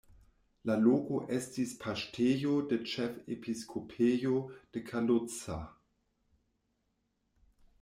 La loko estis paŝtejo de ĉefepiskopejo de Kalocsa.